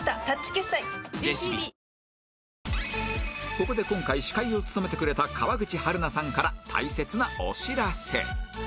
ここで今回司会を務めてくれた川口春奈さんから大切なお知らせ